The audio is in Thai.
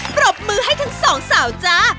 ปรบมือให้ทั้งสองสาวจ้า